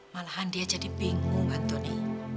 malahan dia jadi bingung anthony